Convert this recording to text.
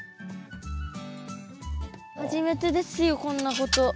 初めてですよこんなこと。